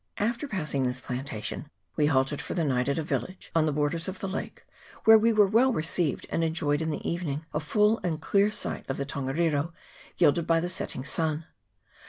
After passing this plantation we halted for the night at a village on the borders of the lake, where we were well received, and enjoyed in the evening a full and. clear sight of the Tongariro gilded by the setting sun.